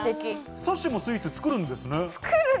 さっしーもスイーツ作るんですね。